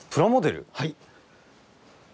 はい。